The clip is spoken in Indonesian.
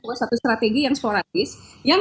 bahwa satu strategi yang sporadis yang